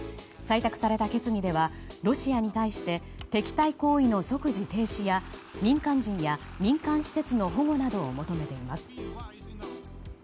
採択された決議ではロシアに対し敵対行為の即時停止や民間人や民間施設の保護などを求めています。